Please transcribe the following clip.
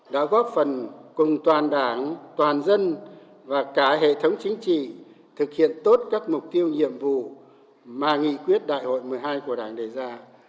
đã góp phần cùng toàn đảng toàn dân và cả hệ thống chính trị thực hiện tốt các mục tiêu nhiệm vụ mà nghị quyết đại hội một mươi hai của đảng đề ra